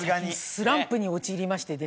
スランプに陥りましてですね。